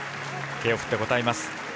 手を振って応えます。